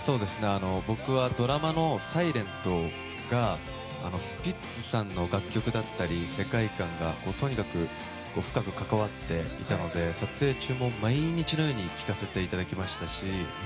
僕はドラマの「ｓｉｌｅｎｔ」がスピッツさんの楽曲だったり世界観がとにかく深く関わっていたので撮影中も毎日のように聴かせていただきましたし。